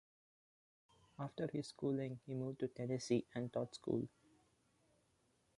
After his schooling, he moved to Tennessee and taught school.